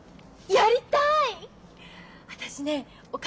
やりたい！